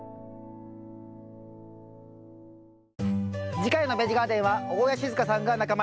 次回の「ベジ・ガーデン」は大家志津香さんが仲間入り。